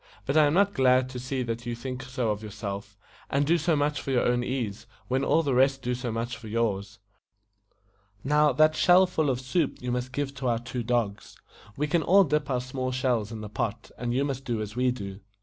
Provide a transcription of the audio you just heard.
"But I am not glad to see that you think so of your self, and do so much for your own ease, when all the rest do so much for yours. Now, that shell full of soup you must give to our two dogs. We can all dip our small shells in the pot, and you must do as we do."